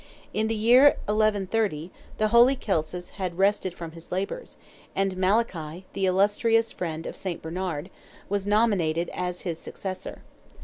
In the year 1130, the holy Celsus had rested from his labours, and Malachy, the illustrious friend of St. Bernard, was nominated as his successor.